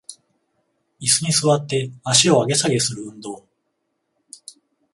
イスに座って足を上げ下げする運動